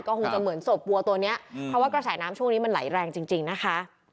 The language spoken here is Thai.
คงจะเหมือนศพวัวตัวเนี้ยเพราะว่ากระแสน้ำช่วงนี้มันไหลแรงจริงจริงนะคะ